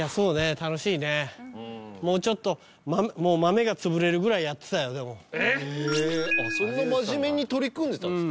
楽しいねもうちょっとマメが潰れるぐらいやってたよでもえそんな真面目に取り組んでたんですか？